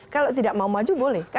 kalau tidak mau maju boleh